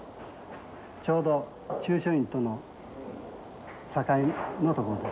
ちょうど中書院との境目の所です。